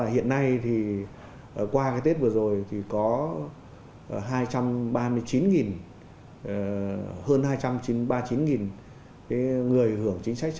hiện nay qua tết vừa rồi có hai trăm ba mươi chín hơn hai trăm ba mươi chín người hưởng chính sách